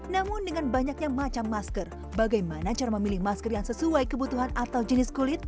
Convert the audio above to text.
namun dengan banyaknya macam masker bagaimana cara memilih masker yang sesuai kebutuhan atau jenis kulit